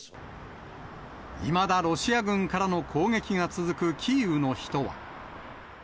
いまだロシア軍からの攻撃が続くキーウの人は。